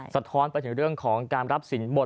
สะท้อนไปถึงเรื่องของการรับสินบน